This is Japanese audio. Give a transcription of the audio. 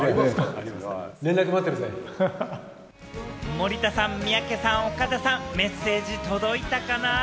森田さん、三宅さん、岡田さん、メッセージ届いたかな？